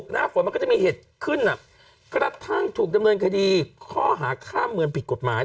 หน้าฝนมันก็จะมีเหตุขึ้นกระทั่งถูกดำเนินคดีข้อหาข้ามเมืองผิดกฎหมาย